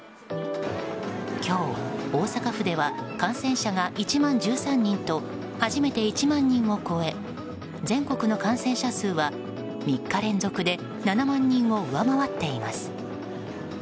今日、大阪府では感染者が１万１３人と初めて１万人を超え全国の感染者数は３日連続で７万人を上回っています。